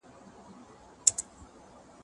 زه به سبا د تکړښت لپاره ځم!؟